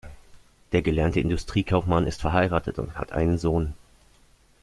Der gelernte Industriekaufmann ist verheiratet und hat einen Sohn.